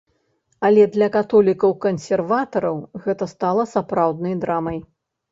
Але для каталікоў-кансерватараў гэта стала сапраўднай драмай.